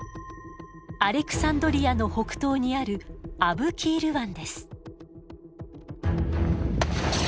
アレクサンドリアの北東にあるアブキール湾です。